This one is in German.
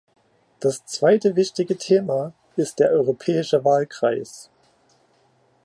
Das zweite wichtige Thema ist der europäische Wahlkreis.